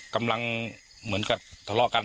กำลังเหมือนกับทะเลาะกัน